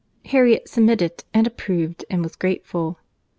—Harriet submitted, and approved, and was grateful.